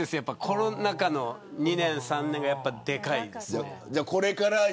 コロナ禍の２年３年はでかいです。